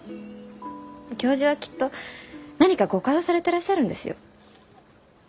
教授はきっと何か誤解をされてらっしゃるんですよ。